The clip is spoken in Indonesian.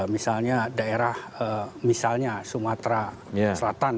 misalnya daerah misalnya sumatera selatan